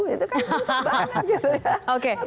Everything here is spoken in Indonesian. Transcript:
itu kan susah banget gitu ya